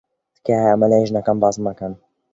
تکایە ئەمە لای ژنەکەم باس مەکەن.